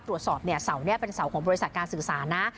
ตรวจสอบเนี่ยเสานี้เป็นเสาของบริษัทการสื่อสารนะ